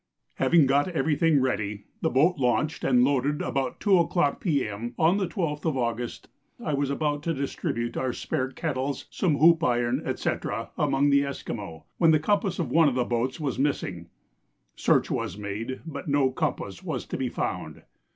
Having got every thing ready, the boat launched and loaded about 2 o'clock P.M. on the 12th of August, I was about to distribute our spare kettles, some hoop iron, &c. among the Esquimaux, when the compass of one of the boats was missing. Search was made, but no compass was to be found.